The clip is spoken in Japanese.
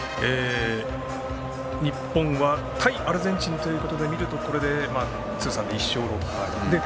日本は対アルゼンチンということで見ますと通算１勝６敗。